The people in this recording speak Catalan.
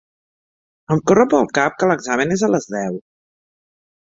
Em corre pel cap que l'examen és a les deu.